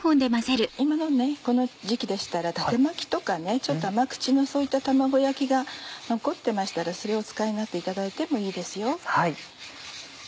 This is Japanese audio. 今のこの時期でしたらだて巻きとかちょっと甘口のそういった卵焼きが残ってましたらそれをお使いになっていただいてもいいですよ。